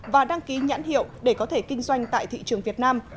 và đăng ký nhãn hiệu để có thể kinh doanh tại thị trường việt nam